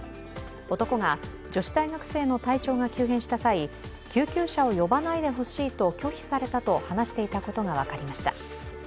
男が女子大学生の体調が急変した際、救急車を呼ばないでほしいと拒否されたと話していたことが分かりました。